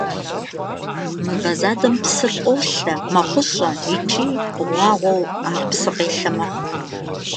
Mıve zadem psır kholhe, makhışşxue yiş'u, ğuağueu, ar psıkhêlhe mexhu.